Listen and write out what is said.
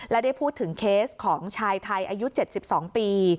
และได้พูดถึงเคสของชายไทยอายุ๗๒ปี